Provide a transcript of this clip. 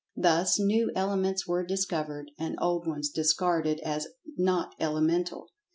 Thus new elements were discovered, and old ones discarded as "not elemental."